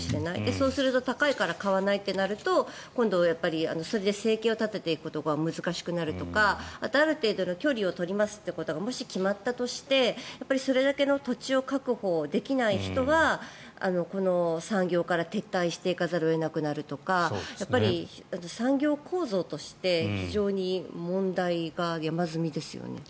そうすると高いから買わないとなると今度それで生計を立てていくことが難しくなるとかある程度の距離を取りますということがもし決まったとしてそれだけの土地を確保できない人はこの産業から撤退していかざるを得なくなるとか産業構造として非常に問題が山積みですよね。